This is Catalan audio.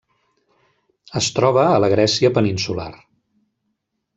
Es troba a la Grècia peninsular.